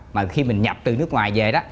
mà khi mình nhập từ nước ngoài về đó